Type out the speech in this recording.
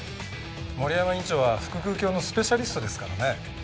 森山院長は腹腔鏡のスペシャリストですからね。